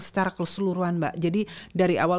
secara keseluruhan mbak jadi dari awal